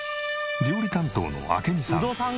料理担当の明美さん。